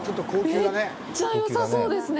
めっちゃよさそうですね。